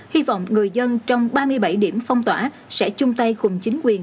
hy vọng người dân trong ba mươi bảy điểm phong tỏa sẽ chung tay cùng chính quyền